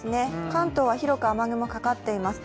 関東は広く雨雲がかかっています。